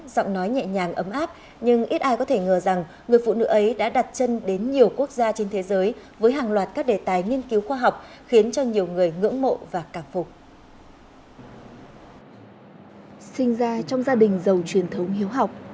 sinh ra trong gia đình giàu truyền thống hiếu học